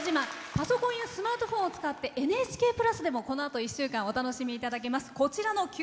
パソコンやスマートフォンを使って「ＮＨＫプラス」でもこのあと１週間お楽しみいただけます。